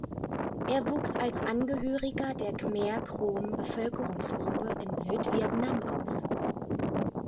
Er wuchs als Angehöriger der Khmer-Krom-Bevölkerungsgruppe in Südvietnam auf.